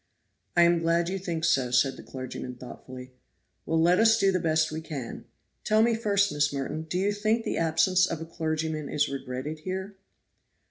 "I am glad you think so," said the clergyman thoughtfully. "Well, let us do the best we can. Tell me first, Miss Merton, do you think the absence of a clergyman is regretted here?"